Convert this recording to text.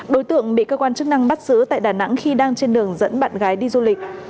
đối tượng bị cơ quan chức năng bắt giữ tại đà nẵng khi đang trên đường dẫn bạn gái đi du lịch